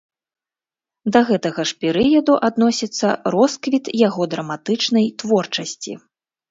Да гэтага ж перыяду адносіцца росквіт яго драматычнай творчасці.